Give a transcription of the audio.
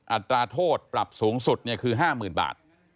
อัตราโทษปรับสูงสุดคือ๕๐๐๐บาท